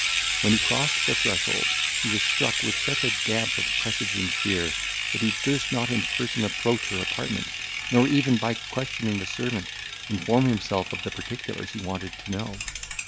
When he crossed the threshold, he was struck with such a damp of presaging fear, that he durst not in person approach her apartment, nor even, by questioning the servant, inform himself of the particulars he wanted to know.